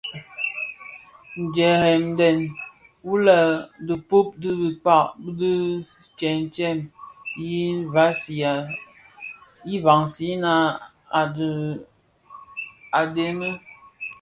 Ndhèňdèn wu lè dhipud bi dikag di tëtsem, ye vansina a dhemi,